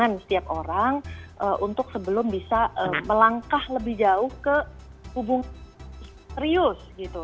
dengan setiap orang untuk sebelum bisa melangkah lebih jauh ke hubungan serius gitu